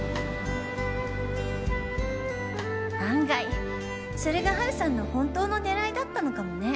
案外それがハルさんの本当の狙いだったのかもね。